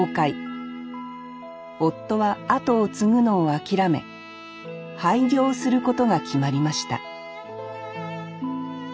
夫は後を継ぐのを諦め廃業することが決まりました